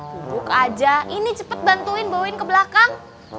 bubuk aja ini cepet bantuin bauin ke belakang